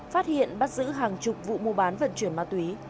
phát hiện bắt giữ hàng chục vụ mua bán vận chuyển ma túy